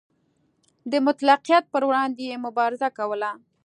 د مطلقیت پر وړاندې یې مبارزه کوله.